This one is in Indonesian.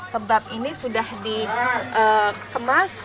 kebab ini sudah dikemas